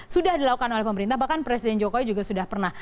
sudah dilakukan oleh pemerintah bahkan presiden jokowi juga sudah pernah